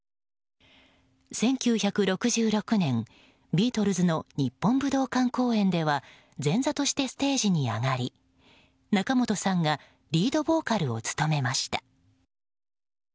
１９６６年、ビートルズの日本武道館公演では前座としてステージに上がり仲本さんがリードボーカルを務めました。